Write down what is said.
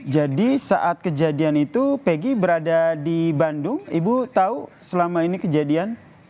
jadi saat kejadian itu peggy berada di bandung ibu tahu selama ini kejadian